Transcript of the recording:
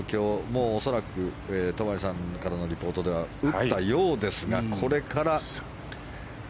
もう、恐らく戸張さんからのリポートでは打ったようですが。